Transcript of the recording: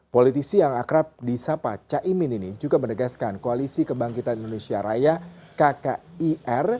politisi yang akrab di sapa caimin ini juga menegaskan koalisi kebangkitan indonesia raya kkir